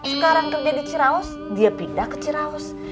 sekarang kerja di ciraos dia pindah ke ciraos